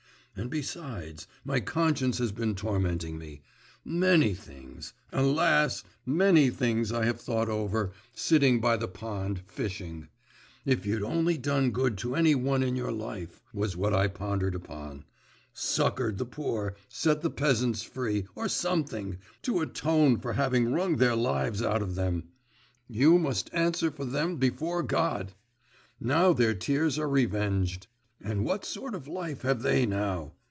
And besides, my conscience has been tormenting me. Many things … alas! many things I have thought over, sitting by the pond, fishing. "If you'd only done good to any one in your life!" was what I pondered upon, "succoured the poor, set the peasants free, or something, to atone for having wrung their lives out of them. You must answer for them before God! Now their tears are revenged." And what sort of life have they now?